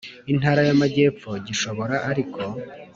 Intara y Amajyepfo Gishobora ariko